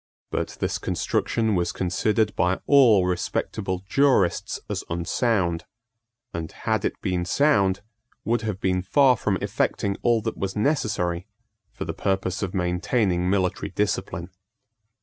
But this construction was considered by all respectable jurists as unsound, and, had it been sound, would have been far from effecting all that was necessary for the purpose of maintaining military discipline.